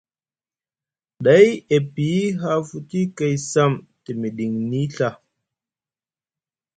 Ɗay e piyi haa futi kay sam te miɗiŋni Ɵa.